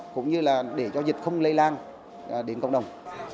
cũng như là để cho dịch không lây lan đến cộng đồng